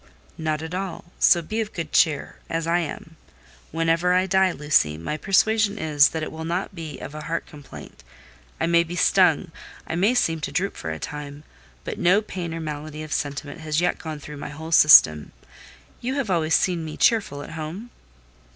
"Not at all: so be of good cheer—as I am. Whenever I die, Lucy, my persuasion is that it will not be of heart complaint. I may be stung, I may seem to droop for a time, but no pain or malady of sentiment has yet gone through my whole system. You have always seen me cheerful at home?"